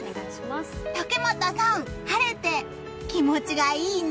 竹俣さん、晴れて気持ちがいいね。